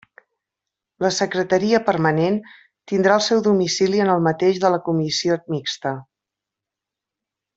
La Secretaria permanent tindrà el seu domicili en el mateix de la Comissió mixta.